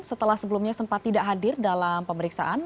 setelah sebelumnya sempat tidak hadir dalam pemeriksaan